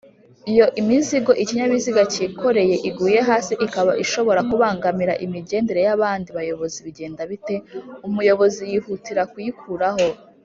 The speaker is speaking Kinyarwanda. iyo imizigo ikinyabiziga cyikoreye iguye hasi ikaba ishobora kubangamira imigendere yabandi bayobozi bigenda bite? umuyobozi yihutira kuyikuraho